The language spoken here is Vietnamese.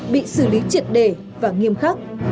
bị xử lý triệt đề và nghiêm khắc